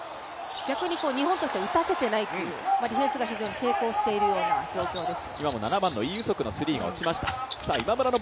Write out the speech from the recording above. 逆に日本としては打たせてないというディフェンスが成功しているような状況です。